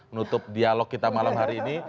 menutup dialog kita malam hari ini